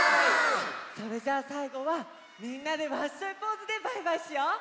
それじゃあさいごはみんなでワッショイポーズでバイバイしよう！